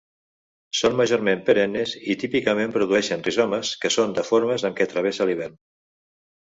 Són majorment perennes i típicament produeixen rizomes que són les formes amb què travessa l'hivern.